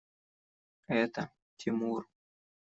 Это – Тимур.